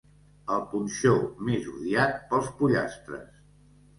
El punxó més odiat pels pollastres.